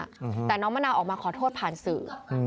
อืมแต่น้องมะนาวออกมาขอโทษผ่านสื่ออืม